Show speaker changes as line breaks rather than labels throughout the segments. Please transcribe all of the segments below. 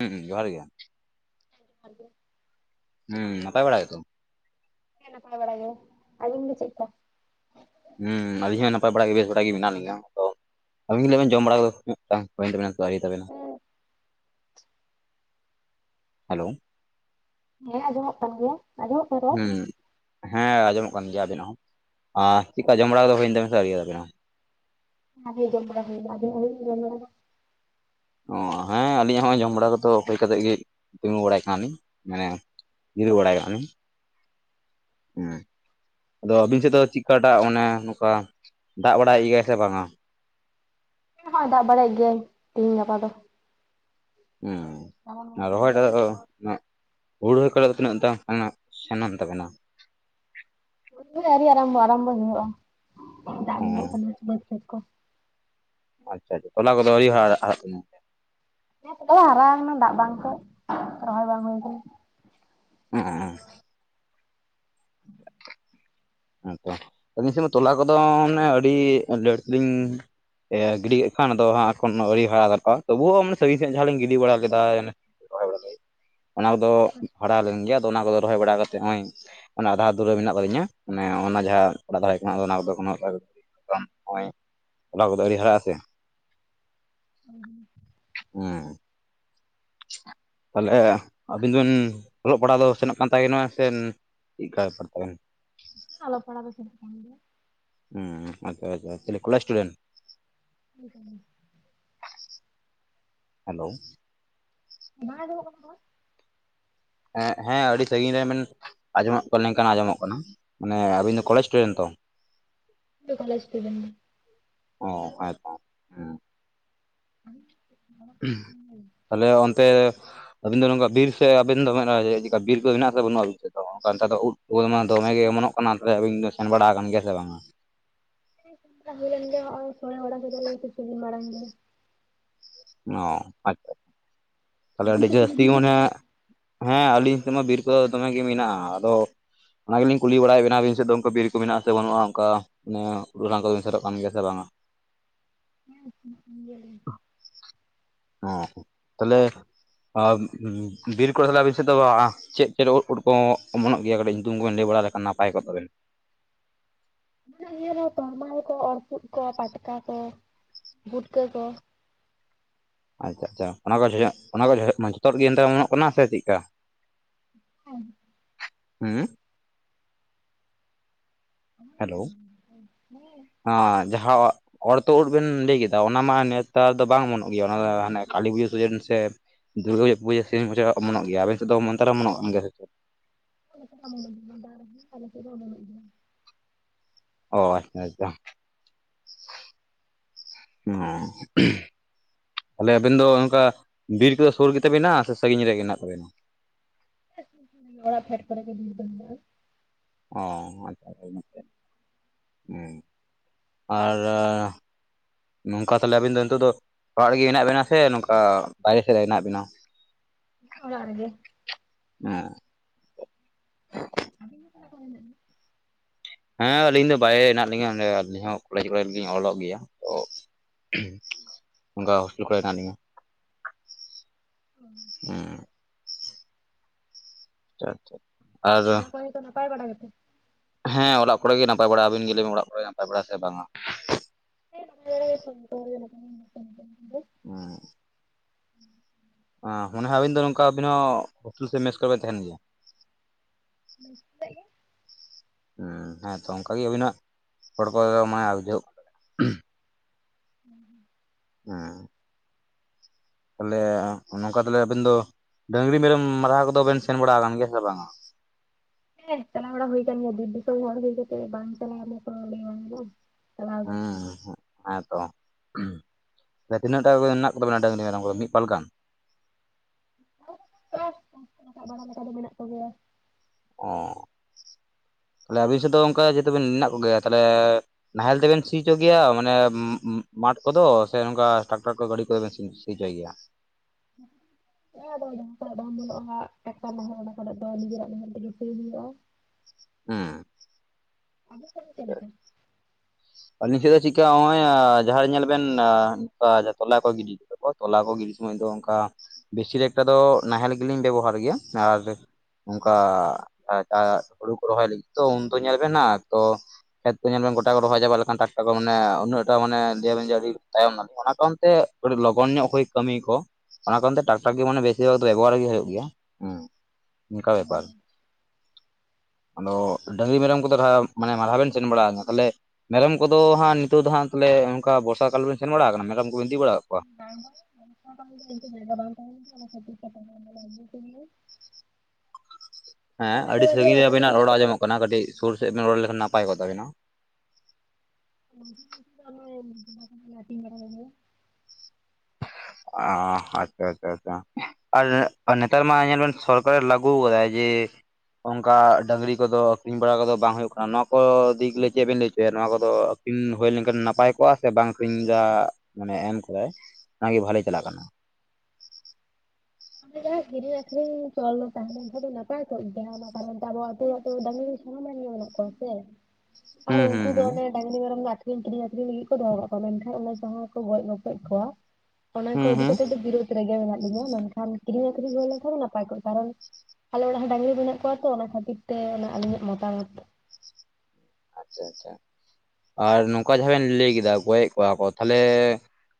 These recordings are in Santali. ᱦᱩᱸ ᱡᱚᱦᱟᱨ ᱜᱮ,
ᱦᱟᱨ ᱜᱮ,
ᱦᱩᱸ ᱱᱟᱯᱟᱭ ᱵᱮᱲᱟ ᱜᱮᱛᱚ?
ᱮᱸ ᱱᱟᱯᱟᱭ ᱵᱟᱲᱟᱭ ᱜᱮ ᱟᱹᱵᱤᱱ ᱫᱚ ᱪᱮᱫ ᱞᱮᱠᱟ?
ᱦᱮᱸ ᱟᱹᱞᱤᱧ ᱦᱚᱸ ᱱᱟᱯᱟᱭ ᱵᱟᱲᱟ ᱜᱮ ᱵᱮᱥ ᱵᱟᱲᱟ ᱜᱮ ᱢᱮᱱᱟᱜ ᱞᱤᱧᱟ ᱟᱫᱚ, ᱟᱵᱮᱱ ᱦᱤᱞᱳᱜ ᱡᱚᱢ ᱵᱟᱲᱟ ᱠᱟᱫᱟ [unintelligible] ᱦᱩᱭᱮᱱ ᱛᱟᱵᱤᱱᱟ ᱟᱹᱨᱤ ᱛᱟᱵᱮᱱᱟ? [inaudible] ᱦᱮᱞᱳ,
ᱦᱮᱸ ᱟᱸᱡᱚᱢᱚᱜ ᱠᱟᱱ ᱜᱮᱭᱟ ᱟᱸᱡᱚᱢ,
ᱦᱩᱸ ᱦᱮᱸ ᱟᱸᱡᱚᱢᱚᱜ ᱠᱟᱱ ᱜᱮᱭᱟ ᱟᱵᱮᱱᱟᱜ ᱦᱚᱸ ᱟᱨ ᱪᱤᱠᱟ ᱡᱚᱢ ᱵᱟᱲᱟ ᱫᱚ ᱦᱩᱭᱮᱱ ᱛᱟᱵᱮᱱᱟ ᱥᱮ ᱟᱹᱣᱨᱤᱭᱟ ᱟᱵᱮᱱᱟᱜ ᱦᱚᱸ?
ᱟᱞᱤᱧ ᱡᱚᱢ ᱵᱟᱲᱟ ᱦᱩᱭ ᱱᱟ᱾ ᱟᱫᱚ ᱟᱵᱤᱱ [unintelligible]
ᱚ ᱦᱮᱸ ᱟᱹᱞᱤᱧᱟᱜ ᱦᱚᱸᱜ ᱡᱚᱢ ᱵᱟᱲᱟ ᱠᱚᱫᱚ ᱦᱚᱭ ᱠᱟᱛᱮᱫ ᱜᱮ ᱛᱤᱸᱜᱩ ᱵᱟᱲᱟᱭ ᱠᱟᱱᱟᱞᱤᱧ, ᱢᱟᱱᱮ- ᱡᱤᱨᱟᱹᱣ ᱵᱟᱲᱟᱭ ᱠᱟᱱᱟ ᱞᱤᱧ, ᱦᱮᱸ᱾ ᱟᱫᱚ ᱟᱵᱤᱱ ᱥᱮᱫ ᱫᱚ ᱪᱮᱫᱠᱟᱴᱟᱜ ᱚᱱᱮ ᱱᱚᱝᱠᱟ ᱫᱟᱜ ᱵᱟᱲᱟᱭ ᱤᱭᱟᱹᱭ ᱥᱮ ᱵᱟᱝᱟ?
[unintelligible] ᱫᱟᱜ ᱵᱟᱲᱟᱭᱮᱫ ᱜᱮᱭᱟᱭ ᱛᱤᱦᱮᱧ ᱜᱟᱯᱟ ᱫᱚ᱾
ᱦᱩᱸ ᱟᱨ ᱨᱚᱦᱚᱭ ᱫᱚ, [unintelligible] ᱦᱩᱲᱩ ᱨᱚᱦᱚᱭ ᱠᱚᱨᱮ ᱫᱚ ᱛᱤᱱᱟᱹᱜ ᱫᱟᱢ [unintelligible]
ᱱᱚᱛᱮ ᱫᱚ ᱟᱣᱨᱤ ᱟᱨᱟᱢᱵᱚᱜ-ᱟ ᱟᱨᱟᱢᱵᱽ ᱦᱩᱭᱩᱜ-ᱟ ᱫᱟᱜ
ᱚ
ᱧᱚᱜᱚᱜ ᱠᱟᱱᱟ ᱵᱟᱹᱫᱽ ᱠᱷᱮᱛ ᱠᱚ᱾
ᱟᱪᱪᱷᱟ ᱟᱪᱪᱷᱟ ᱛᱚᱞᱟ ᱠᱚᱫᱚ ᱟᱹᱰᱤ ᱦᱚᱲᱟᱜ ᱦᱟᱨᱟ ᱦᱟᱨᱟᱜ ᱠᱟᱱᱟ,
ᱱᱮᱥ ᱛᱚ ᱦᱟᱨᱟ ᱠᱟᱱᱟ ᱫᱟᱜ ᱵᱟᱝ ᱠᱷᱟᱡ ᱨᱚᱦᱚᱭ ᱵᱟᱝ ᱦᱩᱭ ᱟᱠᱟᱱᱟ,
ᱚᱸ,
ᱦᱮᱸ [inaudible]
ᱦᱮᱸᱛᱚ ᱟᱹᱞᱤᱧ ᱥᱮᱫᱚ ᱢᱟ ᱛᱚᱞᱟ ᱠᱚᱫᱚ ᱢᱟᱱᱮ ᱟᱹᱰᱤ ᱞᱮᱴ ᱛᱮᱞᱤᱧ ᱮᱭᱟ ᱜᱤᱰᱤ ᱠᱮᱫ ᱠᱷᱟᱱ ᱟᱫᱚ ᱦᱟᱸᱜ ᱮᱠᱷᱚᱱ ᱟᱹᱣᱨᱤ ᱦᱟᱨᱟᱜ-ᱟ ᱛᱟᱠᱚᱣᱟ ᱛᱚᱵᱩ ᱦᱚᱸ ᱢᱟᱱᱮ ᱥᱟᱹᱜᱤᱧ ᱥᱮᱫ ᱡᱟᱦᱟᱸ ᱞᱤᱧ ᱜᱤᱰᱤ ᱵᱟᱲᱟ ᱞᱮᱫᱟ [inaudible] ᱚᱱᱟ ᱠᱚᱫᱚ ᱦᱟᱨᱟ ᱞᱮᱱ ᱜᱮᱭᱟ ᱟᱫᱚ ᱚᱱᱟ ᱠᱚᱫᱚ ᱨᱚᱦᱚᱭ ᱵᱟᱲᱟ ᱠᱟᱛᱮᱫ ᱱᱚᱜ-ᱚᱭ ᱚᱱᱟ ᱟᱫᱷᱟ ᱫᱷᱩᱨᱟᱹ ᱢᱮᱱᱟᱜ ᱟᱠᱟᱫᱤᱧᱟ, ᱢᱟᱱᱮ ᱚᱱᱟ ᱡᱟᱦᱟᱸ ᱚᱲᱟᱜ ᱫᱷᱟᱨᱮ ᱠᱟᱱᱟ ᱚᱱᱟ ᱠᱚᱫᱚ [unintelligible] ᱛᱚᱞᱟ ᱠᱚᱫᱚ ᱟᱹᱣᱨᱤ ᱦᱟᱨᱟᱜ ᱟᱥᱮ,
ᱟᱹᱣᱨᱤ,
ᱦᱮᱸ, ᱛᱟᱦᱚᱸᱞᱮ ᱟᱹᱵᱤᱱ ᱫᱚᱵᱤᱱ ᱚᱞᱚᱜ ᱯᱟᱲᱦᱟᱜ ᱫᱚ ᱥᱮᱱᱚᱜ ᱠᱟᱱ ᱛᱟ ᱵᱮᱱᱟ ᱥᱮ? ᱪᱤᱜᱠᱟ ᱵᱮᱯᱟᱨ ᱛᱟᱵᱮᱱ?
ᱟᱞᱚᱜ ᱯᱟᱲᱦᱟᱣ ᱫᱚ ᱥᱮᱱᱚᱜ ᱠᱟᱱ ᱜᱮᱭᱟ,
ᱦᱩᱸ ᱟᱪᱪᱷᱟ ᱟᱪᱪᱷᱟ ᱛᱟᱦᱚᱸᱞᱮ ᱠᱚᱞᱮᱡᱽ ᱤᱥᱴᱩᱰᱮᱱᱴ᱾
ᱞᱮᱭ ᱫᱟᱞᱤᱧᱼᱼ
ᱦᱮᱞᱳ,
ᱵᱟᱝ ᱟᱡᱚᱢᱚᱜ ᱠᱟᱱᱟ ᱨᱚᱲ?
ᱦᱸ ᱦᱮᱸ ᱟᱹᱰᱤ ᱥᱟᱹᱜᱤᱧ ᱨᱮ ᱢᱮᱱ, ᱟᱸᱡᱚᱢᱚᱜ ᱞᱮᱠᱷᱟᱱ ᱟᱸᱡᱚᱢᱚᱜ ᱠᱟᱱᱟ ᱢᱟᱱᱮ ᱟᱵᱤᱱ ᱫᱚ ᱠᱚᱞᱮᱡᱽ ᱥᱴᱩᱰᱮᱱᱴ ᱛᱚ᱾
ᱠᱚᱞᱮᱡᱽ ᱤᱥᱴᱩᱰᱮᱱᱴ,
ᱦᱮᱸ ᱱᱚᱜ-ᱚᱭ ᱛᱚ ᱦᱮᱸ,
[inaudible]
ᱛᱟᱦᱚᱸᱞᱮ ᱚᱱᱛᱮ? ᱟᱹᱵᱤᱱ ᱫᱚ ᱱᱚᱝᱠᱟ ᱵᱤᱨ ᱥᱮᱫ ᱟᱵᱮᱱ ᱫᱚ [unintelligible] ᱵᱤᱨ ᱠᱚ ᱢᱮᱱᱟᱜ ᱢᱮᱱᱟᱜ-ᱟ ᱥᱮ ᱵᱟᱹᱱᱩᱜ-ᱟ ᱟᱹᱵᱤᱱ ᱥᱮᱫ ᱫᱚ ᱚᱱᱠᱟ ᱱᱮᱛᱟᱨ ᱫᱚ ᱩᱫ ᱳᱫ ᱢᱟ ᱫᱚᱢᱮ ᱜᱮ ᱮᱢᱚᱱᱚᱜ ᱠᱟᱱᱟ ᱛᱟᱦᱚᱸᱞᱮ ᱟᱵᱤᱱ ᱫᱚ ᱥᱮᱱ ᱵᱟᱲᱟ ᱟᱠᱟᱱ ᱜᱮᱭᱟ ᱥᱮ ᱵᱟᱝᱟ᱾
ᱦᱮᱸ ᱥᱮᱱ ᱵᱟᱲᱟ ᱦᱳᱭ ᱞᱮᱱ ᱜᱮᱭᱟ ᱦᱚᱜ-ᱚᱭ ᱥᱚᱬᱮ ᱵᱟᱲᱟ ᱠᱮᱫᱟᱞᱮ ᱠᱤᱪᱷᱩ ᱫᱤᱱ ᱢᱟᱲᱟᱝ ᱜᱮ᱾
ᱚ ᱟᱪᱪᱷᱟ ᱛᱟᱦᱚᱸᱞᱮ
ᱟᱹᱵᱤᱱ
ᱟᱹᱰᱤ
ᱥᱮᱫ ᱛᱤᱱᱟᱹᱜ
ᱡᱟᱹᱥᱛᱤ
ᱡᱤᱞ
ᱜᱮ
ᱫᱚ
ᱢᱟᱱᱮ
ᱢᱮᱱᱟᱜᱼᱟ?
ᱦᱮᱸ ᱟᱹᱞᱤᱧ ᱥᱮᱢᱟ ᱵᱤᱨ ᱠᱚᱫᱚ ᱫᱚᱢᱮ ᱜᱮ ᱢᱮᱱᱟᱜ-ᱟ ᱟᱫᱚ- ᱚᱱᱟ ᱜᱮᱞᱤᱧ ᱠᱩᱞᱤ ᱵᱟᱲᱟᱭᱮᱫ ᱵᱮᱱᱟ ᱟᱵᱤᱱ ᱥᱮᱫ ᱫᱚ ᱚᱱᱠᱟ ᱵᱤᱨ ᱠᱚ ᱢᱮᱱᱟᱜ-ᱟ ᱥᱮ ᱵᱟᱹᱱᱩᱜ-ᱟ ᱚᱱᱠᱟ᱾ ᱢᱟᱱᱮ ᱩᱫ ᱦᱟᱞᱟᱱ ᱠᱚᱫᱚ ᱵᱮᱱ ᱥᱮᱱᱚᱜ ᱠᱟᱱ ᱜᱮᱭᱟ ᱥᱮ ᱵᱟᱝᱟ᱾
[unintelligible]
ᱚ ᱛᱟᱦᱚᱸᱞᱮ [unintelligible] ᱵᱤᱨ ᱠᱚᱨᱮ ᱫᱚ ᱟᱵᱤᱱ ᱥᱮᱫ ᱫᱚ ᱵᱟ-ᱟ ᱪᱮᱫ ᱪᱮᱫ ᱳᱰ ᱯᱷᱩᱰ ᱠᱚ ᱮᱢᱚᱱᱚᱜ ᱜᱮᱭᱟ ᱠᱟᱹᱴᱤᱡ ᱧᱩᱛᱩᱢ ᱠᱚᱵᱮᱱ ᱞᱟᱹᱭ ᱵᱟᱲᱟ ᱞᱮᱠᱷᱟᱱ ᱱᱟᱯᱟᱭ ᱠᱚᱜ ᱛᱟᱵᱮᱱ?
[unintelligible] ᱛᱚᱨᱢᱟᱞ ᱠᱚ ᱚᱨᱛᱩᱫ ᱠᱚ ᱯᱟᱴᱠᱟ ᱠᱚ ᱵᱩᱴᱠᱟᱹ ᱠᱚ
ᱟᱪᱪᱷᱟ ᱟᱪᱪᱷᱟ ᱚᱱᱟ ᱠᱚ ᱡᱷᱚᱜ [unintelligible] ᱡᱚᱛᱚ ᱩᱫᱽ ᱜᱮ ᱮᱱᱛᱟ ᱮᱢᱚᱱᱚᱜ ᱠᱟᱱᱟ ᱥᱮ ᱪᱮᱫᱽᱠᱟ᱾
[unintelligible]
ᱦᱩᱸ,
[unintelligible]
ᱟ ᱡᱟᱦᱟᱸ ᱚᱜ ᱚᱨ ᱛᱳᱫ ᱩᱫ ᱵᱮᱱ ᱞᱟᱹᱭ ᱠᱮᱫᱟ ᱚᱱᱟ ᱢᱟ ᱱᱮᱛᱟᱨ ᱫᱚ ᱵᱟᱝ ᱮᱢᱚᱱᱚᱜ ᱜᱮᱭᱟ ᱚᱱᱟ ᱦᱟᱱᱮ ᱠᱟᱹᱞᱤ ᱵᱩᱡᱟᱹ ᱥᱮᱡᱮᱱ ᱥᱮ ᱫᱩᱨᱜᱟᱹ ᱯᱩᱡᱟᱹ ᱥᱮ [unintelligible] ᱚᱢᱚᱱᱚᱜ ᱜᱮᱭᱟ, ᱟᱵᱮᱱ ᱥᱮᱫ ᱫᱚ ᱱᱮᱛᱟᱨ ᱚᱱᱚᱜ ᱜᱮᱭᱟ ᱥᱮᱪᱮᱫ?
[inaudible] ᱟᱞᱮ ᱥᱮᱫ ᱫᱚ‌ ᱵᱟᱱᱩᱜ ᱜᱮᱭᱟ᱾
ᱚ ᱟᱪᱪᱷᱟ ᱟᱪᱪᱷᱟ ᱦᱚᱸ᱾ ᱛᱟᱦᱞᱮ ᱟᱵᱮᱱ ᱫᱚ ᱚᱱᱠᱟ ᱵᱤᱨ ᱠᱚᱫᱚ ᱥᱩᱨ ᱜᱮᱛᱟᱵᱮᱱᱟᱜ ᱥᱮ ᱥᱟᱺᱜᱤᱧ ᱨᱮᱜᱮ ᱦᱮᱱᱟᱜ ᱛᱟᱵᱮᱱᱟ?
ᱚᱲᱟᱜ ᱯᱷᱮᱰ ᱠᱚᱨᱮᱜ ᱜᱮ ᱵᱤᱨ ᱫᱚ ᱢᱮᱱᱟᱜᱼᱟ᱾
ᱚ ᱟᱪᱪᱷᱟ ᱟᱰᱤ ᱱᱟᱯᱟᱭ ᱦᱩᱸ, ᱟᱨ ᱱᱚᱝᱠᱟ ᱛᱟᱦᱞᱮ ᱟᱹᱵᱤᱱ ᱫᱚ ᱱᱤᱛᱚᱜ ᱫᱚ ᱚᱲᱟᱜ ᱨᱮᱜᱮ ᱢᱮᱱᱟᱜ ᱵᱮᱱᱟ ᱥᱮ ᱱᱚᱝᱠᱟ ᱵᱟᱭᱨᱮ ᱥᱮᱫ ᱨᱮ ᱦᱮᱱᱟᱜ ᱵᱮᱱᱟ?
ᱚᱲᱟᱜ ᱨᱮᱜᱮ᱾
ᱚ᱾ [inaudible]
ᱟᱵᱤᱱ ᱫᱚ ᱛᱟᱦᱞᱮ ᱚᱠᱟᱨᱮ ᱦᱮᱱᱟᱜ ᱵᱤᱱᱟ?
ᱦᱮᱸ ᱟᱹᱞᱤᱧ ᱫᱚ ᱵᱟᱭᱨᱮ ᱦᱮᱱᱟᱜ ᱞᱤᱧᱟ ᱚᱸᱰᱮ ᱟᱹᱞᱤᱧ ᱦᱚᱸ ᱠᱚᱞᱮᱡᱽ ᱠᱚᱨᱮ ᱞᱤᱧ ᱚᱞᱚᱜ ᱜᱮᱭᱟ ᱛᱚ ᱚᱱᱠᱟ ᱦᱳᱥᱴᱮᱞ ᱠᱚᱨᱮ ᱦᱮᱱᱟᱜ ᱞᱤᱧᱟ᱾
ᱚ᱾
ᱦᱩᱸ [inaudible] ᱟᱨ
ᱛᱚ ᱱᱟᱯᱟᱭ ᱵᱟᱲᱟ ᱜᱮᱛᱚ?
ᱦᱮᱸ ᱚᱞᱟᱜ ᱠᱚᱨᱮ ᱜᱮ ᱱᱟᱯᱟᱭ ᱵᱟᱲᱟ ᱟᱵᱤᱱ ᱜᱮ ᱞᱟ. ᱭ ᱵᱤᱱ ᱚᱲᱟᱜ ᱠᱚᱨᱮ ᱱᱟᱯᱟᱭ ᱵᱟᱲᱟ ᱥᱮ ᱵᱟᱝᱟ?
ᱦᱮᱸ ᱱᱟᱯᱟᱭ ᱵᱟᱲᱟ ᱜᱮ, ᱥᱚᱵ ᱦᱚᱲ ᱜᱮ ᱱᱟᱯᱟᱭ ᱜᱮ᱾ ᱢᱮᱱᱟᱜ
ᱟ᱾
[inaudible]
ᱟ ᱢᱚᱱᱮ ᱦᱚᱭ ᱟᱵᱤᱱ ᱫᱚ ᱱᱚᱝᱠᱟ ᱟᱵᱤᱱ ᱦᱚᱸ ᱦᱳᱥᱴᱮᱞ ᱥᱮ ᱢᱮᱥ ᱠᱚᱨᱮ ᱵᱮᱱ ᱛᱟᱦᱮᱱ ᱜᱮᱭᱟ?
ᱢᱮᱥ ᱠᱚᱨᱮᱜ ᱜᱮ᱾
ᱦᱩᱸ ᱦᱮᱸ ᱛᱚ ᱚᱱᱠᱟᱜᱮ ᱟᱹᱵᱤᱱᱟᱜ [inaudible]
ᱦᱩᱸ ᱦᱩᱸ᱾
ᱦᱮᱸ᱾ ᱛᱟᱦᱚᱞᱮ ᱱᱚᱝᱠᱟ ᱛᱟᱞᱦᱮ ᱟᱵᱤᱱ ᱫᱚ ᱰᱟᱝᱨᱤ ᱢᱮᱨᱚᱢ ᱢᱟᱨᱦᱟ ᱠᱚᱫᱚ ᱵᱮᱱ ᱥᱮᱱ ᱵᱟᱲᱟ ᱟᱠᱟᱱ ᱜᱮᱭᱟ ᱥᱮ ᱵᱟᱝᱟ?
ᱦᱮᱸ ᱪᱟᱞᱟᱣ ᱵᱟᱲᱟ ᱦᱩᱭ ᱠᱟᱱ ᱜᱮᱭᱟ ᱵᱤᱨ ᱫᱤᱥᱚᱢ ᱦᱚᱲ ᱦᱩᱭ ᱠᱟᱛᱮ ᱵᱟᱝ ᱪᱟᱞᱟᱜ ᱚᱱᱟ ᱛᱚ ᱞᱟᱹᱭ ᱵᱟᱝ ᱜᱟᱱᱚᱜ-ᱟ᱾
ᱦᱩᱸ᱾ ᱦᱮᱸ ᱛᱚ, ᱛᱤᱱᱟᱹᱜ ᱴᱟᱜ ᱢᱮᱱᱟᱜ ᱠᱚ ᱛᱟᱵᱮᱱᱟ ᱰᱟᱝᱨᱤ ᱢᱮᱨᱚᱢ ᱠᱚᱫᱚ ᱢᱤᱫ ᱯᱟᱞ ᱜᱟᱱ?
[inaudible] ᱵᱟᱲᱟ ᱞᱮᱠᱟ ᱫᱚ ᱢᱮᱱᱟᱜ ᱠᱚᱜᱮᱭᱟ᱾
ᱚ ᱛᱟᱦᱞᱮ ᱟᱵᱤᱱ ᱥᱮᱫ ᱫᱚ ᱚᱱᱠᱟ ᱡᱮᱦᱮᱛᱩ ᱵᱮᱱ ᱢᱮᱱᱟᱜ ᱠᱚᱜᱮᱭᱟ ᱛᱟᱦᱞᱮ ᱱᱟᱦᱮᱞ ᱛᱮᱵᱮᱱ ᱥᱤ ᱦᱚᱪᱚᱭ ᱜᱮᱭᱟ ᱢᱟᱱᱮ ᱢᱟᱴᱷ ᱠᱚᱫᱚ ᱥᱮ ᱱᱚᱝᱠᱟ ᱴᱨᱟᱠᱴᱟᱨ ᱠᱚ ᱜᱟᱹᱰᱤ ᱠᱚᱛᱮ ᱵᱮᱱ ᱥᱤᱭᱟ? ᱥᱤ ᱪᱚᱭ ᱜᱮᱭᱟ᱾ [inaudible]
ᱦᱮᱸ ᱟᱫᱚ ᱡᱟᱦᱟᱸ ᱠᱚᱨᱮᱜ ᱵᱟᱝ ᱵᱚᱞᱚᱜᱼᱟ ᱦᱟᱸᱜ ᱴᱟᱠᱴᱟᱨ ᱱᱟᱦᱮᱞ ᱚᱱᱟ ᱠᱚᱨᱮᱜ ᱫᱚ ᱱᱤᱡᱮᱨᱟᱜ ᱱᱟᱦᱮᱞ ᱛᱮᱜᱮ ᱫᱤᱱ ᱦᱩᱭᱩᱜᱼᱟ᱾
ᱦᱩᱸ᱾
ᱟᱯᱮ ᱥᱮ ᱫᱚ ᱪᱮᱫ ᱞᱮᱠᱟ?
ᱟᱹᱞᱤᱧ ᱥᱮᱫ ᱫᱚ ᱪᱤᱠᱠᱟ ᱦᱚᱸᱜᱼᱚᱭ ᱡᱟᱦᱟᱸ ᱨᱮ ᱧᱮᱞ ᱵᱮᱱ ᱱᱚᱝᱠᱟ ᱡᱟᱦᱟᱸ ᱛᱚᱞᱟ ᱠᱚ ᱜᱤᱰᱤ [inaudible] ᱛᱚᱞᱟ ᱠᱚ ᱜᱤᱰᱤ ᱥᱚᱢᱚᱭ ᱫᱚ ᱚᱱᱠᱟ ᱵᱮᱥᱤ ᱠᱮᱠᱟ ᱫᱚ ᱱᱟᱦᱮᱞ ᱜᱮᱞᱤᱧ ᱵᱮᱵᱚᱦᱟᱨ ᱜᱮᱭᱟ ᱟᱨ ᱚᱱᱠᱟ [inaudible] ᱦᱩᱲᱩ ᱠᱚ ᱨᱚᱦᱚᱭ ᱞᱟᱹᱜᱤᱫ ᱛᱚ ᱩᱱᱫᱚ ᱧᱮᱞ ᱵᱮᱱ ᱦᱟᱸᱜ ᱛᱚ ᱠᱷᱮᱛ ᱠᱚ ᱧᱮᱞ ᱵᱮᱱ ᱜᱚᱴᱟ ᱨᱚᱦᱚᱭᱟ ᱡᱟᱵᱟ ᱞᱮ [inaudible] ᱠᱚ ᱢᱟᱱᱮ ᱩᱱᱟᱹᱜᱴᱟ ᱢᱟᱱᱮ ᱞᱮᱭᱟᱵᱤᱱ ᱡᱮ ᱟᱹᱰᱤ ᱛᱟᱭᱚᱢᱱᱟᱞᱤᱧ, ᱚᱱᱟ ᱠᱟᱨᱚᱱ ᱛᱮ ᱟᱹᱰᱤ ᱞᱚᱜᱚᱱ ᱧᱚᱜ ᱦᱩᱭ ᱠᱟᱹᱢᱤ ᱠᱚ ᱚᱱᱟ ᱠᱟᱨᱛᱮ ᱴᱮᱠᱴᱟᱨ ᱜᱮ ᱢᱟᱱᱮ ᱵᱮᱥᱤᱨ ᱵᱷᱟᱜᱽ ᱫᱚ ᱵᱮᱵᱚᱦᱟᱨ ᱜᱮ ᱦᱩᱭᱩᱜ ᱜᱮᱭᱟ᱾ ᱦᱮᱸ ᱚᱱᱠᱟ ᱵᱮᱯᱟᱨ᱾ ᱟᱫᱚ ᱰᱟᱹᱝᱜᱨᱤ ᱢᱮᱨᱚᱢ ᱠᱚᱫᱚ [inaudible] ᱢᱟᱱᱮ ᱢᱟᱨᱦᱟ ᱵᱮᱱ ᱥᱮᱱ ᱵᱟᱲᱟ ᱠᱟᱱᱟ ᱛᱟᱞᱦᱮ ᱢᱮᱨᱚᱢ ᱠᱚ ᱫᱚ ᱦᱟᱸᱜ ᱱᱤᱛᱚᱜ ᱫᱚ ᱦᱟᱸᱜ ᱞᱮ ᱚᱱᱠᱟ ᱵᱚᱨᱥᱟ ᱠᱟᱞ ᱨᱮᱵᱤᱱ ᱥᱮᱱ ᱵᱟᱲᱟ ᱟᱠᱟᱱᱟ ᱢᱮᱨᱚᱢ ᱠᱚᱵᱮᱱ ᱤᱫᱤ ᱵᱟᱲᱟ ᱠᱟ
ᱵᱟᱝ ᱵᱟᱝ ᱚᱱᱠᱟ ᱫᱚ ᱟᱞᱮ ᱱᱤᱛᱳᱜ ᱡᱟᱭᱜᱟ ᱵᱟᱝ ᱛᱟᱦᱮᱱᱟ ᱚᱱᱟ ᱠᱷᱟᱹᱛᱤᱨ ᱛᱮ ᱵᱟᱝ ᱞᱮ ᱤᱫᱤ ᱠᱚ ᱜᱮᱭᱟ,
ᱦᱮᱸ
ᱢᱟᱡᱷᱮ
ᱟᱹᱰᱤ
ᱢᱟᱡᱷᱮ
ᱥᱟᱺᱜᱤᱧ ᱨᱮ
ᱵᱟᱡᱟᱨ
ᱟᱵᱤᱱᱟᱜ ᱨᱚᱲ
ᱱᱚᱥᱴᱚ
ᱟᱸᱡᱚᱜ ᱠᱟᱱᱟ ᱠᱟᱹᱴᱤᱡ ᱥᱩᱨ ᱥᱮᱫ ᱵᱮᱱ ᱨᱚᱲ ᱞᱮᱠᱷᱟᱱ ᱱᱟᱯᱟᱭ ᱠᱚᱜ ᱛᱟᱵᱤᱱᱟ᱾
[inaudible] ᱢᱮᱨᱢᱚ ᱫᱚᱞᱮ ᱟᱛᱤᱧ ᱵᱟᱲᱟ ᱠᱚ ᱜᱮᱭᱟ,
ᱚᱸ ᱦᱟᱯᱮ ᱦᱟᱯᱮ ᱦᱟᱯᱮ, ᱟᱨ ᱱᱮᱛᱟᱨ ᱢᱟ ᱧᱮᱵᱮᱱ ᱥᱚᱨᱠᱟᱨᱮ ᱞᱟᱹᱜᱩ ᱠᱟᱫᱟᱭ ᱡᱮ ᱚᱱᱠᱟ ᱰᱟᱹᱝᱨᱤ ᱠᱚ ᱫᱚ ᱟᱠᱷᱨᱤᱧ ᱵᱟᱲᱟ ᱠᱚ ᱫᱚ ᱵᱟᱝ ᱦᱳᱭᱳᱜ ᱠᱟᱱᱟ ᱱᱚᱣᱟ ᱠᱚ ᱫᱤᱠᱞᱮ ᱪᱮᱫ ᱵᱮᱱ ᱞᱟᱹᱭ ᱪᱚᱭᱟ ᱱᱚᱣᱟ ᱠᱚᱫᱚ? ᱠᱤᱧ ᱦᱳᱭ ᱞᱮᱱᱠᱷᱟᱱ ᱱᱟᱯᱟᱭ ᱠᱚᱜᱼᱟ ᱥᱮ ᱵᱟᱝ ᱠᱷᱟᱨᱤᱧ ᱡᱟ ᱢᱟᱱᱮ ᱮᱢ ᱠᱚᱜ-ᱟᱭ ᱚᱱᱟᱜᱮ ᱵᱷᱟᱮ ᱪᱟᱞᱟᱜ ᱠᱟᱱᱟ ᱾
ᱡᱟᱦᱟᱸ ᱠᱤᱨᱤᱧ ᱟᱹᱷᱨᱤᱧ ᱪᱚᱞ ᱛᱟᱦᱮᱱ ᱠᱷᱟᱱ ᱫᱚ ᱱᱟᱯᱟᱭ ᱠᱚᱜ ᱜᱮᱭᱟᱢ ᱢᱟ ᱠᱟᱨᱚᱱ ᱛᱮ ᱟᱵᱚ ᱟᱹᱛᱩ ᱫᱟ [inaudible] ᱥᱮ
[unintelligible]
ᱟᱨ ᱩᱱᱠᱩ ᱫᱚ
ᱦᱩᱸ
ᱚᱱᱮ ᱰᱟᱹᱝᱜᱨᱤ ᱢᱮᱨᱚᱢ ᱢᱟ ᱟᱠᱷᱨᱤᱧ ᱠᱤᱨᱤᱧ ᱟᱠᱷᱨᱤᱧ ᱞᱟᱹᱜᱤᱫ ᱠᱚ ᱫᱚᱦᱚ ᱠᱟᱜ ᱠᱚᱣᱟ ᱢᱮᱱᱠᱷᱟᱱ ᱚᱱᱟ ᱡᱟᱦᱟᱸ ᱠᱚ ᱜᱚᱡ ᱜᱚᱫᱮᱜ ᱠᱚᱣᱟ, ᱚᱱᱟ ᱠᱚ
ᱦᱩᱸ
ᱤᱫᱤ
ᱦᱩᱸ
ᱠᱟᱛᱮᱫ ᱫᱚ ᱵᱤᱨᱳᱫ ᱨᱮᱜᱮ ᱢᱮᱱᱟᱜ ᱞᱤᱧᱟᱹ ᱢᱮᱱ ᱠᱷᱟᱱ ᱠᱤᱨᱤᱧ ᱟᱹᱠᱷᱨᱤᱧ ᱦᱳᱭ ᱞᱮᱱ ᱠᱷᱟᱱ ᱱᱟᱯᱟᱭ ᱠᱚᱜ ᱠᱟᱨᱚᱱ ᱟᱞᱮ ᱚᱲᱟᱜ ᱦᱚᱸ ᱰᱟᱹᱝᱜᱨᱤ ᱢᱮᱱᱟᱜ ᱠᱚᱣᱟ ᱛᱚ ᱚᱱᱟ ᱠᱷᱟᱹᱛᱤᱨ ᱛᱮ ᱚᱱᱟ ᱟᱹᱞᱤᱧᱟᱜ ᱢᱚᱛᱟᱢᱚᱛ,
ᱟᱪᱪᱷᱟ ᱟᱪᱪᱷᱟ, ᱟᱨ ᱱᱚᱝᱠᱟ ᱡᱟᱦᱟᱸ ᱵᱮᱱ ᱞᱟᱹᱭ ᱠᱮᱫᱟ ᱜᱚᱡ ᱠᱚᱣᱟ ᱠᱚ ᱛᱟᱦᱟᱞᱮ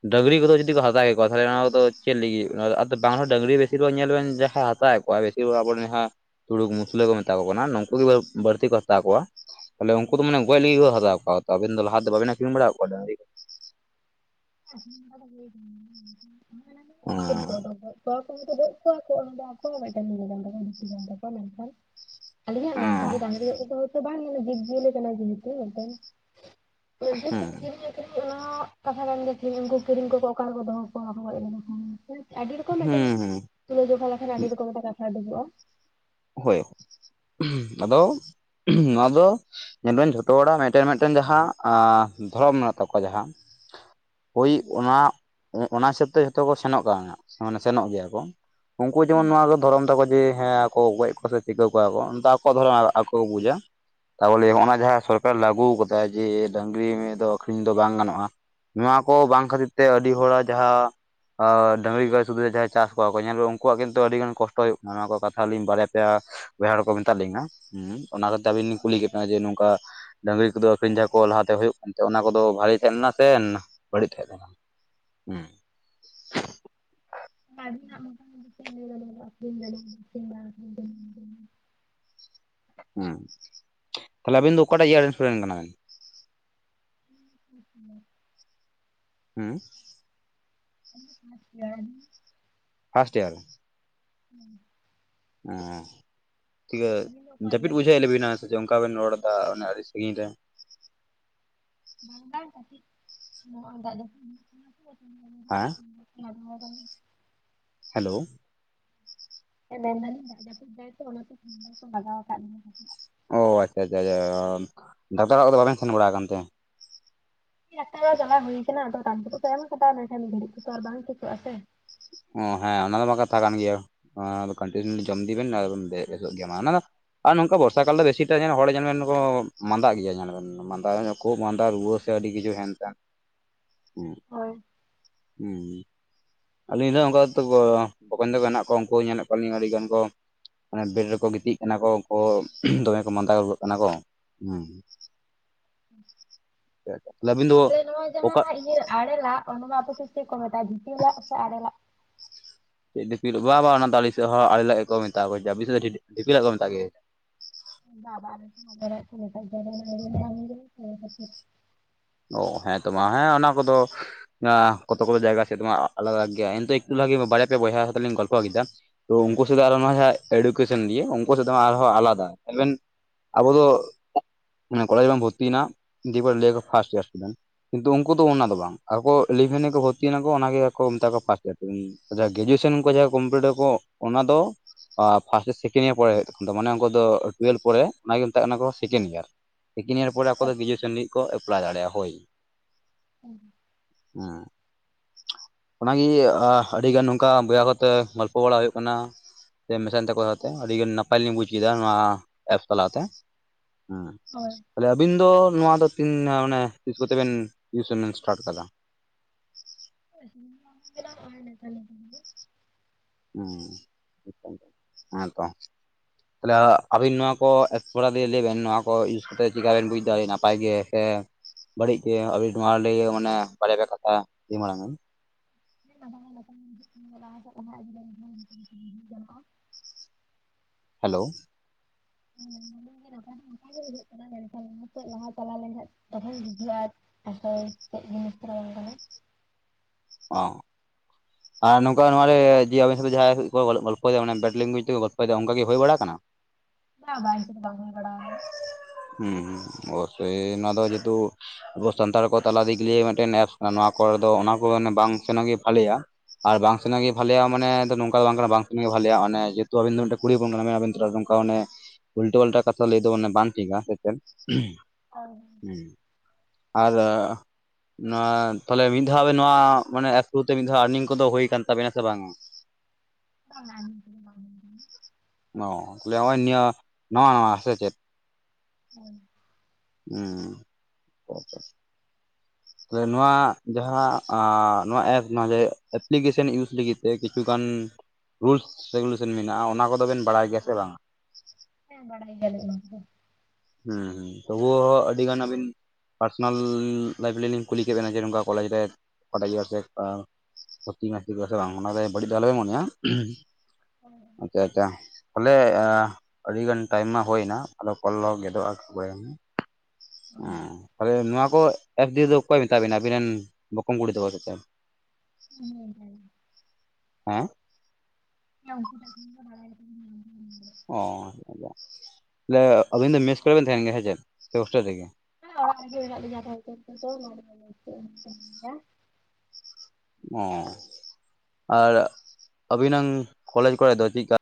ᱰᱟᱹᱝᱜᱨᱤ ᱠᱚᱫᱚ ᱡᱩᱫᱤ ᱠᱚ ᱦᱟᱛᱟᱣ ᱠᱮᱫ ᱠᱚᱣᱟ ᱛᱟᱦᱚᱞᱮ ᱚᱱᱟ ᱠᱚᱫᱚ ᱪᱮᱫ ᱞᱤᱜᱤᱫ ᱟᱫᱚ ᱵᱟᱝᱦᱚᱸ ᱰᱟᱹᱝᱜᱨᱤ ᱵᱮᱥᱤᱨ ᱧᱮᱞ ᱵᱮᱱ ᱡᱟᱦᱟᱸᱟᱭ ᱦᱟᱛᱟᱣᱮᱫ, ᱵᱮᱥᱤᱨ ᱵᱷᱟᱜᱽ ᱟᱵᱚᱨᱮᱱ ᱡᱟᱦᱟᱸ ᱛᱩᱲᱩᱠ ᱢᱩᱥᱞᱟᱹ ᱠᱚ ᱢᱮᱛᱟ ᱠᱚ ᱠᱟᱱᱟ ᱱᱩᱠᱩ ᱜᱮ ᱵᱟᱹᱲᱛᱤ ᱠᱚ ᱦᱟᱛᱟᱣ ᱠᱚᱣᱟ, ᱛᱟᱦᱞᱮ ᱱᱩᱠᱩ ᱫᱚ ᱢᱟᱱᱮ ᱜᱮᱡ ᱞᱤᱜᱤᱫ ᱠᱚ ᱦᱟᱛᱟᱣ ᱠᱚᱣᱟ ᱟᱵᱮᱱ ᱫᱚ ᱞᱟᱦᱟ ᱛᱮ ᱵᱟᱵᱮᱱ ᱟᱹᱠᱷᱤᱧ ᱵᱟᱲᱟᱣᱟ ᱰᱟᱹᱜᱽᱨᱤ?
[inaudible] [inaudible] ᱛᱟᱠᱚᱣᱟ ᱢᱮ ᱱᱠᱷᱟᱱ ᱟᱹᱞᱤᱧᱟᱜ ᱢᱮᱱᱫᱟ ᱡᱮ ᱰᱟᱝᱨᱤ ᱜᱚᱡ ᱨᱮᱛ ᱦᱳᱭ ᱛᱚ ᱵᱟᱝ ᱞᱮ [inaudible] ᱱᱤᱡᱮᱨ ᱛᱮᱢ
ᱦᱩᱸ
ᱠᱤᱨᱤᱧ ᱟᱹᱠᱷᱤᱨᱤᱧ ᱚᱱᱟ ᱦᱚᱸ ᱠᱟᱛᱷᱟ ᱜᱮ ᱩᱱᱠᱩ ᱠᱤᱨᱤᱧ ᱠᱚ ᱠᱚ ᱚᱠᱟ ᱨᱮᱠᱚ ᱫᱚᱦᱚ ᱠᱚᱣᱟ ᱠᱚ ᱜᱚᱡ ᱞᱮᱠᱷᱟᱱ? ᱟᱹᱰᱤ ᱨᱚᱠᱚᱢ ᱢᱤᱫᱴᱮᱱ
ᱦᱩᱸ
ᱛᱩᱞᱟᱹ ᱡᱚᱠᱷᱟ ᱞᱮᱠᱷᱟᱱ ᱟᱹᱰᱤ ᱨᱚᱠᱚᱢ ᱛᱮ ᱠᱟᱛᱷᱟ ᱩᱰᱩᱠᱚᱜᱼᱟ ᱾
ᱦᱳᱭ, ᱟᱫᱚ ᱱᱚᱣᱟ ᱫᱚ, ᱢᱮᱱ ᱫᱟᱹᱧ ᱡᱷᱚᱛᱚ ᱦᱚᱲᱟᱜ ᱢᱤᱫᱴᱮᱱ ᱢᱤᱫᱴᱮᱱ ᱡᱟᱦᱟᱸ ᱫᱷᱚᱨᱚᱢ ᱢᱮᱱᱟᱜ ᱛᱟᱠᱚᱣᱟ ᱡᱟᱦᱟᱸ, ᱦᱳᱭ ᱚᱱᱟ ᱚᱱᱟ ᱦᱤᱥᱟᱹᱵᱽ ᱛᱮ ᱡᱷᱚᱛᱚ ᱠᱚ ᱥᱮᱱᱚᱜ ᱠᱟᱱᱟ ᱢᱟᱱᱮ ᱥᱮᱱᱚᱜ ᱜᱮᱭᱟ ᱠᱚ ᱾ ᱩᱱᱠᱩ ᱡᱮᱢᱚᱱ ᱱᱚᱣᱟ ᱠᱚ ᱫᱷᱚᱨᱚᱢ ᱛᱟᱠᱚ ᱡᱮ ᱦᱮᱸ, ᱠᱚ ᱜᱚᱡ ᱟᱠᱣᱟ ᱥᱮ ᱪᱤᱠᱟᱹ ᱠᱚᱣᱟ ᱠᱚ ᱚᱱᱟ ᱫᱚ ᱟᱠᱚᱣᱟᱜ ᱫᱷᱚᱨᱚᱱ ᱟᱠᱚ ᱠᱚ ᱵᱩᱡᱟ ᱾ ᱛᱟᱵᱚᱞᱮ ᱱᱚᱜᱼᱚᱭ ᱡᱟᱦᱟᱸ ᱥᱚᱨᱠᱟᱨ ᱞᱟᱹᱜᱩ ᱠᱟᱫᱟᱭ ᱡᱮ ᱰᱟᱹᱝᱨᱤ ᱢᱤᱦᱩ ᱫᱚ ᱟᱹᱠᱷᱨᱤᱧ ᱫᱚ ᱵᱟᱝ ᱜᱟᱱᱚᱜᱼᱟ ᱾ ᱱᱚᱣᱟ ᱠᱚ ᱵᱟᱝ ᱠᱷᱟᱹᱛᱤᱨ ᱛᱮ ᱟᱹᱰᱤ ᱦᱚᱲᱟᱜ ᱡᱟᱦᱟᱸ, ᱰᱟᱹᱝᱨᱤ ᱜ ᱥᱩᱫᱷᱩ ᱡᱟᱦᱟᱸᱭ ᱪᱟᱥ ᱠᱚᱣᱟ ᱠᱚ ᱧᱮᱞ ᱯᱮ ᱩᱱᱠᱩᱣᱟᱜ ᱠᱤᱱᱛᱩ ᱟᱹᱰᱤ ᱜᱟᱱ ᱠᱚᱥᱴᱚ ᱦᱳᱭᱳᱜ ᱠᱟᱱᱟ, ᱱᱚᱣᱟ ᱠᱚ ᱠᱟᱛᱷᱟ ᱞᱤᱧ ᱵᱟᱨᱭᱟ ᱯᱮᱭᱟ ᱵᱚᱭᱦᱟ ᱦᱚᱲ ᱠᱚ ᱢᱮᱛᱟᱜ ᱞᱤᱧᱟ ᱦᱩᱸ ᱚᱱᱟ ᱠᱟᱛᱷᱟ ᱟᱵᱤᱱ ᱞᱤᱧ ᱠᱩᱞᱤ ᱠᱮᱫ ᱵᱮᱱᱟ ᱡᱮ ᱱᱚᱝᱠᱟ ᱰᱟᱹᱝᱨᱤ ᱠᱚᱫᱚ ᱟᱹᱠᱷᱨᱤᱧ ᱡᱟᱦᱟᱸ ᱠᱚ ᱞᱟᱦᱟᱛᱮ ᱦᱳᱭᱳᱜ ᱠᱟᱱᱛᱮ ᱚᱱᱟ ᱠᱚ ᱫᱚ ᱵᱟᱹᱞᱤ ᱛᱟᱦᱮᱸ ᱞᱮᱱᱟ ᱥᱮ ᱵᱟᱹᱲᱤᱡ ᱛᱟᱦᱮᱸ ᱞᱮᱱᱟ? ᱦᱩᱸ,
ᱟᱵᱤᱱ ᱱᱟᱜ ᱢᱚᱛᱟᱢᱚᱛ ᱪᱮ ᱞᱟᱹᱭ ᱫᱟᱵᱤᱱ ᱟᱠᱷᱨᱤᱧ ᱫᱟᱞᱤᱧ ᱥᱮ ᱵᱟᱝ,
ᱦᱩᱸ ᱛᱟᱦᱚᱞᱮ ᱟᱵᱤᱱ ᱫᱚ ᱚᱠᱟᱴᱟᱜ ᱤᱭᱟᱨ ᱨᱮᱱ ᱮᱥᱴᱩᱰᱮᱱᱴ ᱠᱟᱱᱟᱵᱮᱱ?
[inaudible]
ᱦᱩᱸ,
ᱟᱞᱤᱧ ᱫᱚ ᱯᱷᱟᱥᱴ ᱤᱭᱟᱨ ᱨᱮᱱ ᱾
First year.
ᱦᱩᱸ,
ᱚ ᱛᱤᱠᱟᱹ
ᱟᱹᱞᱤᱧ ᱫᱚ ᱚᱠᱚᱭ
ᱡᱟᱹᱯᱤᱫ
ᱤᱭᱟᱹ
ᱵᱩᱡᱷᱟᱹᱣᱮᱫ ᱞᱮᱵᱤᱱᱟ? ᱡᱮ ᱚᱝᱠᱟ ᱵᱮᱱ ᱨᱚᱲ ᱮᱫᱟ ᱚᱱᱮ ᱟᱹᱰᱤ ᱥᱟᱺᱜᱤᱧ ᱨᱮ ᱾
ᱵᱷᱟᱸᱰᱟᱱ ᱞᱟᱹᱜᱤᱫ ᱵᱚᱦᱚ ᱚᱱᱠᱟ ᱜᱮ᱾
[unintelligible]
ᱱᱚᱫᱢᱚᱨᱚ [unintelligible]
ᱦᱮᱞᱳ᱾
ᱦᱮᱸ ᱢᱮᱱᱫᱟᱞᱤᱧ ᱫᱟᱜ ᱡᱟᱹᱯᱩᱮᱫᱟᱭ ᱛᱚ ᱚᱱᱟᱛᱮ [inaudible] ᱠᱚ ᱞᱟᱜᱟᱣ ᱟᱠᱟᱫ ᱞᱤᱧᱟ᱾
ᱚ ᱟᱪᱪᱷᱟ-ᱟᱪᱪᱷᱟ-ᱟᱪᱷᱟ ᱰᱟᱠᱛᱟᱨ ᱚᱲᱟᱜ ᱠᱚᱫᱚ ᱵᱟᱵᱤᱱ ᱯᱷᱳᱱ ᱵᱟᱲᱟ ᱠᱟᱱ ᱛᱮ?
ᱰᱟᱠᱛᱟᱨ ᱚᱲᱟ ᱪᱟᱞᱟ ᱦᱩᱭ ᱠᱟᱱᱟ ᱟᱫᱚ ᱨᱟᱱ ᱠᱚᱫᱚ ᱠᱚ ᱮᱢ ᱠᱟᱫᱟ ᱢᱮᱱᱠᱷᱟᱱ ᱱᱤᱫ ᱛᱮᱫᱚ ᱟᱨ ᱵᱟᱝ ᱴᱷᱤᱠᱚᱜ-ᱟ ᱥᱮ᱾
ᱚ ᱦᱮᱸ ᱚᱱᱟ ᱫᱚ ᱢᱟ ᱠᱟᱛᱷᱟ ᱠᱟᱱ ᱜᱮᱭᱟ, ᱟᱨ ᱠᱚᱴᱤᱱᱤᱭᱩ ᱡᱚᱢ ᱤᱫᱤ ᱵᱤᱱ ᱟᱫᱚ ᱵᱤᱱ ᱵᱮ ᱵᱮᱥᱚᱜ ᱜᱮᱭᱟ ᱚᱱᱟ ᱫᱚ ᱟᱨ ᱱᱚᱝᱠᱟ ᱵᱚᱨᱥᱟ ᱠᱟᱞ ᱫᱚ ᱵᱮᱥᱤᱴᱟᱜ ᱡᱮᱱ ᱦᱚᱲ ᱡᱮᱱ-ᱢᱮᱱ ᱠᱚ ᱢᱟᱸᱫᱟᱜ ᱜᱮᱭᱟ ᱡᱮᱱ-ᱢᱮᱱ ᱢᱟᱸᱫᱟ ᱠᱷᱳᱜ ᱢᱟᱸᱫᱟ ᱨᱩᱣᱟᱹ ᱥᱮ ᱟᱹᱰᱤ ᱠᱤᱪᱷᱩ ᱦᱮᱱ ᱛᱮᱱ, ᱦᱮᱸ
ᱦᱳᱭ᱾
ᱦᱩᱸ, ᱟᱹᱞᱤᱧ ᱫᱚ ᱚᱱᱠᱟ ᱛᱚ ᱜᱚ, ᱵᱚᱠᱚᱸᱧ ᱛᱟᱠᱚ ᱦᱮᱱᱟᱜ ᱠᱚᱣᱟ ᱩᱱᱠᱩ ᱧᱮᱞᱮᱫ ᱠᱚᱣᱟ ᱞᱤᱧ ᱟᱹᱰᱤ ᱜᱟᱱ ᱠᱚ ᱚᱱᱮ ᱵᱮᱴ ᱨᱮᱠᱚ ᱜᱤᱛᱤᱡ ᱠᱟᱱᱟ ᱠᱚ ᱩᱱᱠᱩ, ᱫᱚᱢᱮ ᱠᱚ ᱢᱟᱸᱫᱟ ᱜᱚᱜ ᱠᱟᱱᱟ ᱠᱚ ᱦᱮᱸ᱾ [inaudible]
[inaudible]
[inaudible] ᱞᱟᱹᱵᱤᱫ
ᱟᱞᱮ ᱱᱚᱣᱟ ᱡᱟᱦᱟᱸ ᱤᱭᱟᱹ ᱟᱲᱮᱞᱟᱜ ᱚᱱᱟᱢᱟ ᱟᱯᱮᱥᱮᱫ ᱪᱮᱫ ᱠᱚ ᱢᱮᱛᱟᱜᱼᱟ ᱵᱷᱤᱛᱟᱹ ᱞᱟᱜ ᱥᱮ ᱟᱲᱮᱞᱟ?
ᱪᱮᱫ ᱫᱤᱯᱤᱞ ᱵᱟ ᱵᱟ ᱚᱱᱟ ᱫᱚ ᱟᱲᱮ ᱥᱮᱫ ᱦᱚᱸ ᱟᱲᱮ ᱞᱟᱜ ᱜᱮᱠᱚ ᱢᱮᱛᱟ ᱠᱚᱣᱟ ᱡᱟᱵᱤᱥᱮ [inaudible] ᱫᱤᱯᱤᱞᱟᱜ ᱠᱚ ᱢᱮᱛᱟᱜ ᱜᱮ᱾
ᱵᱟ ᱵᱟ ᱟᱨ ᱢᱮᱨᱚᱢ ᱤᱫᱤ [inaudible] [inaudible]
ᱚ ᱦᱮᱸ ᱛᱚ ᱢᱟ ᱦᱮᱸ ᱚᱱᱟ ᱠᱚᱫᱚ ᱟᱸ ᱠᱚᱛᱚ-ᱠᱚᱛᱚ ᱡᱟᱭᱜᱟ ᱥᱮᱫ ᱢᱟ ᱟᱞᱟᱜᱽ-ᱟᱞᱟᱜᱽ ᱜᱮᱭᱟ ᱮᱱᱛᱮ ᱮᱠᱴᱩ ᱞᱟᱜᱤ ᱵᱟᱨᱭᱟ ᱯᱭᱟ ᱵᱚᱭᱦᱟᱜ ᱥᱟᱛᱮ ᱞᱤᱧ ᱜᱚᱞᱯᱚ ᱠᱮᱫᱟ᱾ ᱛᱚ ᱩᱱᱠᱩ ᱥᱮᱫᱟ ᱟᱨ ᱱᱚᱣᱟ ᱡᱟᱦᱟᱸ ᱮᱰᱩᱠᱮᱥᱚᱱ ᱱᱤᱭᱮ ᱩᱱᱠᱩ ᱥᱮᱫ ᱢᱟ ᱟᱨᱦᱚᱸ ᱟᱞᱟᱫᱟ ᱟᱵᱮᱱ ᱟᱵᱚ ᱫᱚ [inaudible] ᱢᱟᱱᱮ ᱠᱚᱞᱮᱡᱽ ᱵᱚᱱ ᱵᱷᱚᱨᱛᱤᱭᱮᱱᱟ ᱫᱤᱭᱮᱯᱚᱨ ᱞᱟᱹᱭ ᱟᱠᱚ ᱯᱥᱴ ᱤᱭᱟᱨ [unintelligible] ᱠᱤᱱᱛᱩ ᱩᱱᱠᱩ ᱫᱚ ᱚᱱᱟ ᱫᱚ ᱵᱟᱝ ᱟᱠᱚ ᱤᱞᱤᱵᱷᱮᱱ ᱨᱮᱠᱚ ᱵᱷᱚᱨᱛᱤᱭᱮᱱᱟ ᱠᱚ ᱚᱱᱟ ᱜᱮ ᱠᱚ ᱢᱮᱛᱟ ᱠᱚᱣᱟ ᱯᱟᱥᱴ ᱤᱭᱟᱨ ᱫᱚ᱾ ᱡᱟ ᱜᱨᱮᱡᱩᱭᱮᱥᱚᱱ ᱠᱚ ᱡᱟᱦᱟᱸ ᱠᱚᱢᱯᱞᱤᱴ ᱟᱠᱚ ᱚᱱᱟ ᱫᱚ ᱯᱷᱟᱥᱴ ᱥᱮᱠᱮᱱᱰ ᱤᱭᱟᱨ ᱯᱚᱨᱮ ᱫᱚ ᱢᱟᱱᱮ ᱩᱱᱠᱩ ᱫᱚ ᱴᱩᱭᱮᱞᱵᱷ ᱯᱚᱨᱮ ᱚᱱᱟᱜᱮ ᱢᱮᱛᱟᱜ ᱠᱟᱱᱟ ᱠᱚ ᱥᱮᱠᱮᱱᱰ ᱤᱭᱟᱨ᱾ ᱥᱮᱠᱮᱱ ᱮᱤᱭᱟᱨ ᱯᱚᱨᱮ ᱟᱠᱚ ᱫᱚ ᱜᱨᱮᱡᱩᱭᱮᱥᱮᱱ ᱞᱟᱹᱜᱤᱫ ᱠᱚ ᱮᱯᱞᱟᱭ ᱫᱟᱲᱮᱭᱟᱜᱼᱟ ᱦᱳᱭ᱾
[unintelligible]
ᱦᱮᱸ, ᱚᱱᱟᱜᱮ ᱟ ᱟᱹᱰᱤᱜᱟᱱ ᱱᱚᱝᱠᱟ ᱵᱚᱭᱦᱟ ᱠᱚᱛᱮ ᱜᱚᱞᱯᱚ ᱵᱟᱲᱟ ᱦᱩᱭᱩᱜ ᱠᱟᱱᱟ᱾ ᱥᱮ ᱢᱮᱥᱟᱭᱮᱱ ᱛᱮᱠᱚ ᱛᱮ ᱟᱹᱰᱤᱜᱟᱱ ᱱᱟᱯᱟᱭ ᱞᱤᱧ ᱵᱩᱡ ᱠᱮᱫᱟ ᱱᱚᱣᱟ ᱮᱯᱥ ᱛᱟᱞᱟᱛᱮ ᱦᱮᱸ᱾
ᱦᱳᱭ᱾
ᱛᱟᱦᱚᱞᱮ ᱟᱵᱤᱱ ᱫᱚ ᱱᱚᱣᱟ ᱫᱚ ᱛᱤᱱ ᱚᱱᱮ ᱛᱤᱥ ᱠᱚᱛᱮ ᱵᱮᱱ ᱴᱤᱭᱩᱥᱚᱱ ᱵᱮᱱ ᱥᱴᱟᱴ ᱠᱟᱫᱟ?
[inaudible] ᱱᱚᱜ-ᱚᱭ ᱱᱮᱛᱟᱨ ᱜᱮ᱾
ᱦᱮᱸ ᱮᱠᱟᱱᱛᱚ ᱦᱮᱸ ᱛᱚ᱾ ᱛᱟᱦᱞᱮ ᱟᱵᱤᱱ ᱱᱚᱣᱟ ᱠᱚ [unintelligible] ᱞᱟᱹᱭ ᱵᱮᱱ ᱱᱚᱣᱟ ᱠᱚ ᱤᱭᱩᱡᱽ ᱠᱟᱛᱮᱫ ᱪᱮᱠᱟ ᱵᱮᱱ ᱵᱩᱡ ᱫᱟ ᱱᱟᱯᱟᱭ ᱜᱮ᱾ ᱥᱮ ᱵᱟᱹᱲᱤᱡᱽ ᱜᱮ ᱟᱵᱤᱱ ᱱᱚᱣᱟ ᱞᱟᱹᱭ ᱢᱟᱱᱮ ᱵᱟᱨᱭᱟ ᱯᱮᱭᱟ ᱠᱟᱛᱷᱟ ᱞᱟᱹᱭ ᱢᱟᱲᱟᱝᱟ᱾
ᱞᱟᱦᱟ ᱞᱟᱥᱟᱲᱦᱮᱫ ᱵᱩᱡᱷᱟᱹᱣ ᱠᱟᱱᱟ ᱞᱟᱦᱟ ᱥᱮᱫ ᱞᱟᱦᱟ ᱤᱫᱤ ᱞᱮᱱᱠᱷᱟᱱ [inaudible] ᱡᱟᱞᱟ-ᱟ,
ᱦᱮᱞᱳ᱾ [inaudible]
ᱚᱱᱠᱟ ᱜᱮ ᱚᱱᱠᱟ ᱜᱮ ᱵᱩᱡᱷᱟᱹᱣ ᱠᱟᱱᱟ ᱢᱮᱱᱠᱟᱷᱟᱱ ᱞᱟᱦᱟ ᱥᱮᱫ ᱞᱟᱦᱟ ᱪᱟᱞᱟᱣ ᱞᱮᱱᱠᱷᱟᱡ ᱫᱚᱦᱚᱭ ᱜᱤᱭᱟ᱾ ᱟᱫᱚ ᱪᱮᱫ ᱵᱤᱱ ᱠᱚᱨᱟᱣᱟᱱ ᱠᱟᱱᱟ?
ᱚᱸ, ᱟᱨ ᱱᱚᱝᱠᱟ ᱱᱚᱣᱟ ᱨᱮ ᱡᱮ ᱟᱵᱮᱱ ᱥᱟᱶ ᱛᱮ ᱡᱟᱦᱟᱸᱭ ᱠᱚ ᱜᱚᱞᱯᱚᱭᱮᱫᱟ ᱢᱟᱱᱮ ᱵᱮᱴ ᱞᱮᱝᱜᱩᱭᱮᱡᱽ ᱛᱮᱠᱚ ᱜᱚᱞᱯᱚᱭ ᱫᱟ ᱚᱱᱠᱟ ᱠᱤ ᱦᱩᱭ ᱵᱟᱲᱟ ᱟᱠᱟᱱᱟ?
ᱵᱟ ᱵᱟ ᱤᱱᱠᱟᱹ ᱫᱚ ᱵᱟᱝ ᱦᱩᱭ ᱵᱟᱲᱟ ᱟᱠᱟᱱᱟ᱾
ᱦᱩᱸ ᱦᱩᱸ ᱚᱵᱚᱥᱥᱳᱭ ᱱᱚᱣᱟ ᱫᱚ ᱡᱮᱦᱮᱛᱩ ᱟᱵᱚ ᱥᱟᱱᱛᱟᱲ ᱠᱚ ᱛᱟᱞᱟ ᱫᱤᱠ ᱞᱤᱭᱮ ᱢᱤᱫᱴᱮᱱ ᱮᱯᱥ ᱠᱟᱱᱟ, ᱱᱚᱣᱟ ᱠᱚᱨᱮ ᱫᱚ ᱚᱱᱟ ᱠᱚ ᱢᱟᱱᱮ ᱵᱟᱝ ᱥᱮᱱᱚᱜ ᱜᱮ ᱵᱷᱟᱞᱮᱭᱟ᱾ ᱟᱨ ᱵᱟᱝ ᱥᱮᱱᱚᱜ ᱜᱮ ᱵᱷᱟᱹᱞᱮᱭᱟ ᱢᱟᱱᱮ ᱫᱚ ᱱᱚᱝᱠᱟ ᱫᱚ ᱵᱟᱝ ᱠᱟᱱᱟ ᱵᱟᱝ ᱥᱮᱱᱚᱜ ᱵᱷᱟᱞᱮᱭᱟ ᱚᱱᱮ ᱡᱮᱦᱮᱛᱩ ᱟᱵᱤᱱ ᱢᱤᱫᱴᱟᱱ ᱠᱩᱲᱤ ᱦᱚᱯᱚᱱ ᱠᱟᱱᱟ ᱵᱮᱱ ᱟᱵᱮᱱ [inaudible] ᱛᱚ ᱚᱱᱮ ᱩᱞᱴᱟᱹ ᱯᱟᱞᱴᱟ ᱠᱟᱛᱷᱟ ᱫᱚ ᱞᱟᱹᱭ ᱫᱚ ᱢᱟᱱᱮ ᱵᱟᱝ ᱴᱷᱤᱠᱟ, ᱥᱮ ᱪᱮᱫ?
ᱦᱳᱭ ᱦᱳᱭ᱾
ᱦᱩ, ᱟᱨ ᱱᱚᱣᱟ ᱛᱟᱞᱦᱮ ᱢᱤᱫ ᱫᱷᱟᱣ ᱟᱵᱮᱱ ᱱᱚᱣᱟ ᱮᱯᱥ ᱠᱚᱛᱮ ᱢᱤᱫ ᱫᱷᱟᱣ ᱟᱨᱱᱤᱝ ᱠᱚᱫᱚ ᱦᱩᱭ ᱟᱠᱟᱱ ᱛᱟᱵᱮᱱᱟ ᱥᱮ ᱵᱟᱝᱟ? [inaudible]
ᱵᱟᱝ ᱟᱨᱱᱤᱝ ᱠᱚᱫᱚ ᱵᱟᱝ ᱦᱩᱭ ᱠᱟᱱᱟ᱾
ᱚ ᱛᱟᱦᱞᱮ ᱦᱚᱸᱜᱼᱚᱭ ᱱᱤᱭᱟᱹ ᱱᱚᱣᱟ ᱱᱟᱣᱟ ᱥᱮ ᱪᱮᱫ?
ᱦᱳᱭ᱾
ᱩᱸ [inaudible] ᱛᱟᱞᱦᱮ ᱱᱚᱣᱟ ᱡᱟᱦᱟᱸ ᱟ ᱱᱚᱣᱟ ᱮᱯᱥ [inaudible] ᱮᱯᱞᱤᱠᱮᱥᱚᱱ ᱤᱭᱩᱡᱽ ᱞᱟᱹᱜᱤᱫ ᱛᱮ ᱠᱤᱪᱷᱩᱜᱟᱱ ᱨᱩᱞᱥ ᱨᱮᱜᱩᱞᱮᱥᱚᱱ ᱢᱮᱱᱟᱜᱼᱟ ᱚᱱᱟ ᱠᱚᱫᱚ ᱵᱮᱱ ᱵᱟᱲᱟᱭ ᱜᱮᱭᱟ ᱥᱮ ᱵᱟᱝᱟ?
ᱦᱮᱸ ᱵᱟᱲᱟᱭ ᱜᱮᱭᱟᱞᱮᱧ ᱚᱱᱟ ᱠᱚᱫᱚ᱾
ᱦᱩᱸ ᱦᱩᱸ ᱛᱚᱵᱩᱳ ᱟᱹᱰᱤ ᱜᱟᱱ ᱟᱹᱵᱤᱱ ᱯᱟᱨᱥᱚᱱᱟᱞ ᱞᱟᱭᱤᱯᱷ ᱞᱮᱞᱤᱧ ᱠᱩᱞᱤ ᱠᱮ ᱵᱮᱱᱟ ᱡᱮ ᱱᱚᱝᱠᱟ ᱠᱚᱞᱮᱡ ᱨᱮ [inaudible] [inaudible] ᱚᱱᱟ ᱨᱮ ᱵᱟᱹᱲᱤᱡ ᱫᱚ ᱟᱞᱚ ᱵᱮᱱ ᱢᱚᱱᱮᱭᱟ᱾
ᱦᱳᱭ
ᱟᱪᱪᱷᱟ ᱟᱪᱪᱷᱟ ᱛᱟᱦᱞᱮ ᱟ ᱟᱹᱰᱤ ᱜᱟᱱ ᱴᱟᱭᱤᱢ ᱢᱟ ᱦᱩᱭᱮᱱᱟ ᱟᱫᱚ ᱠᱚᱞ [inaudible] [inaudible] ᱚᱸ ᱛᱟᱞᱦᱮ ᱱᱚᱣᱟ ᱠᱚ ᱮᱯ ᱫᱤᱭᱮ ᱫᱚ ᱚᱠᱚᱭ ᱢᱮᱛᱟᱜ ᱵᱤᱱᱟ ᱟᱵᱤᱱ ᱨᱮᱱ ᱵᱚᱠᱚᱢ ᱠᱩᱲᱤ ᱛᱟᱠᱚ ᱥᱮ ᱪᱮᱫ?
[inaudible]
ᱦᱮᱸᱻ
[inaudible]
ᱚ [inaudible] ᱛᱟᱞᱦᱮ ᱟᱵᱤᱱ ᱫᱚ ᱢᱮᱥ ᱠᱚᱨᱮ ᱵᱮᱱ ᱛᱟᱦᱮᱱ ᱜᱮᱭᱟ ᱦᱮᱸ ᱪᱮᱫ? ᱥᱮ ᱦᱳᱥᱴᱮᱞ ᱨᱮᱜᱮ?
ᱦᱮᱸ ᱚᱲᱟᱜ ᱨᱮ ᱜᱮ ᱢᱮᱱᱟᱜ ᱞᱤᱧᱟ ᱟᱯᱟᱛᱚᱛᱚ ᱱᱤᱛᱳᱜ ᱫᱚ [inaudible]
ᱚ, ᱟᱨ ᱟᱵᱤᱱᱟᱝ ᱠᱚᱞᱮᱡᱽ ᱠᱚᱨᱮ ᱫᱚ ᱪᱮᱫᱠᱟ?